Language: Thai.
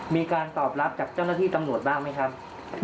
มีการตอบรับจากเจ้าหน้าที่ตำรวจบ้างไหมครับ